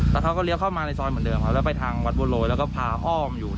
แล้วเขาก็เลี้ยเข้ามาในซอยเหมือนเดิมครับแล้วไปทางวัดบัวโรยแล้วก็พาอ้อมอยู่